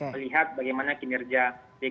melihat bagaimana kinerja di ki